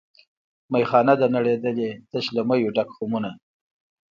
میخانه ده نړېدلې تش له میو ډک خُمونه